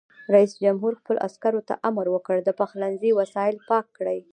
رئیس جمهور خپلو عسکرو ته امر وکړ؛ د پخلنځي وسایل پاک کړئ!